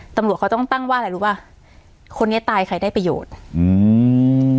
ตำรวจเขาต้องตั้งว่าอะไรรู้ป่ะคนนี้ตายใครได้ประโยชน์อืม